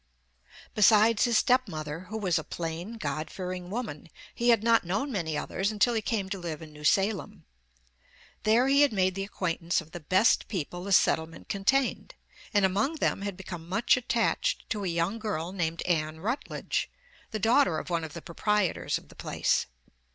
Besides his step mother, who was a plain, God fearing woman, he had not known many others until he came to live in New Salem. There he had made the acquaintance of the best people the settlement contained, and among them had become much attached to a young girl named Ann Rutledge, the daughter of one of the proprietors of the place.